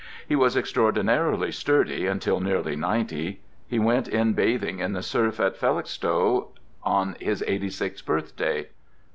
He was extraordinarily sturdy until nearly ninety—he went in bathing in the surf at Felixstowe on his eighty sixth birthday.